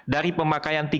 dari pemakaian tiga puluh juta